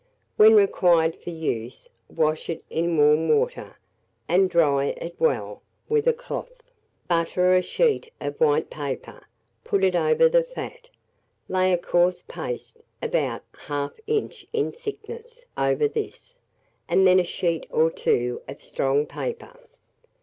When required for use, wash it in warm water, and dry it well with a cloth; butter a sheet of white paper, put it over the fat, lay a coarse paste, about 1/2 inch in thickness, over this, and then a sheet or two of strong paper.